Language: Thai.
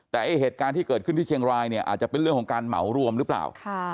แต่ไอ้เหตุการณ์ที่เกิดขึ้นที่เชียงรายเนี่ยอาจจะเป็นเรื่องของการเหมารวมหรือเปล่า